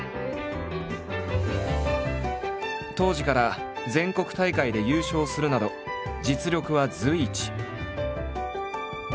当時から全国大会で優勝するなど実力は随一。